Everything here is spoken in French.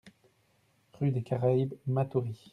Rue des Caraibes, Matoury